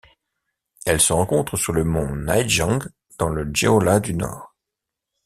Elle se rencontre sur le mont Naejang dans le Jeolla du Nord.